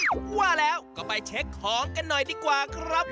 ว่าแล้วก็ไปเช็คของกันหน่อยดีกว่าครับ